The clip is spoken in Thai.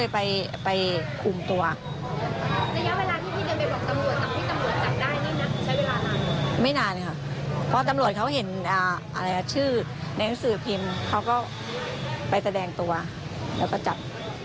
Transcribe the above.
ไปแสดงตัวแล้วก็จับ